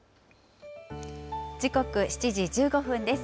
時刻７時１５分です。